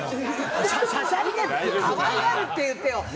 しゃしゃり出るって可愛がるって言ってよ！